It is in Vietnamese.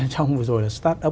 trong vừa rồi là start up